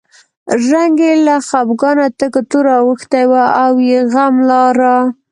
رنګ یې له خپګانه تک تور اوښتی و او یې غم لاره.